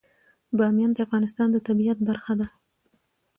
بامیان د افغانستان د طبیعت برخه ده.